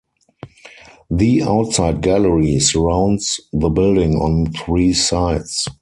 The outside gallery surrounds the building on three sides.